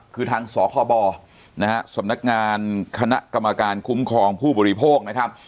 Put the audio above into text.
คือทางสคบนะฮะสำนักงานคณะกรรมการคุ้มครองผู้บริโภคนะครับ